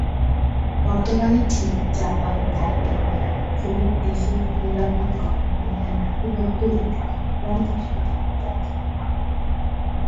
বর্তমানে চীন, Japan, Taipei, Bharat প্রমূখ দেশের ক্রীড়াবিদগণ কোরিয়ার আধিপত্য রোধে আপ্রাণ চেষ্টা চালিয়ে যাচ্ছে।